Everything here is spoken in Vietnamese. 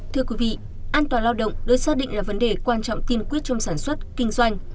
thưa quý vị an toàn lao động được xác định là vấn đề quan trọng tiên quyết trong sản xuất kinh doanh